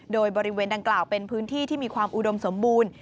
โดยบริเวณดังกล่าวเป็นพื้นที่ที่มีความอุดมสมบูรณ์